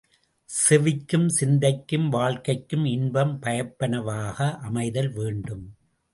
செவிக்கும் சிந்தனைக்கும் வாழ்க்கைக்கும் இன்பம் பயப்பனவாக அமைதல் வேண்டும்.